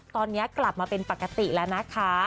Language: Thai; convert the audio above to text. ตอนนี้กลับมาเป็นปกติแล้วนะคะ